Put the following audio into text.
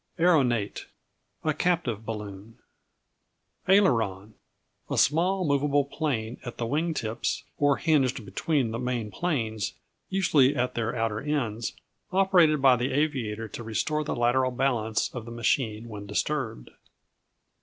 Aeronate A captive balloon. Aileron A small movable plane at the wing tips, or hinged between the main planes, usually at their outer ends, operated by the aviator to restore the lateral balance of the machine when disturbed.